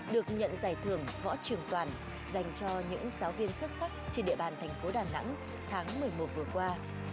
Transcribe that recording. được nhận giải thưởng võ trường toàn dành cho những giáo viên xuất sắc trên địa bàn thành phố đà nẵng tháng một mươi một vừa qua